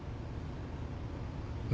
何？